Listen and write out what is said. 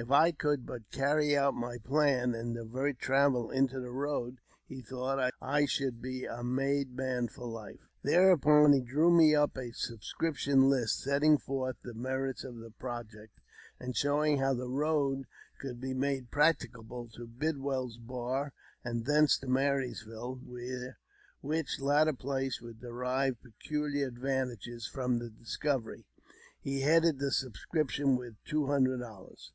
If I could but carry out my plan, and divert travel into that road, he thought I should be a made man for life. Thereupon he drew up a sub scription list, setting forth the merits of the project, and showing how the road could be made practicable to Bidwell's Bar, and thence to Marysville, which latter place would ■derive peculiar advantages from the discovery. He headed the subscription with two hundred dollars.